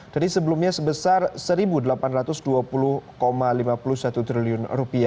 jadi sebelumnya sebesar rp satu delapan ratus dua puluh lima puluh satu triliun